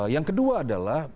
yang kedua adalah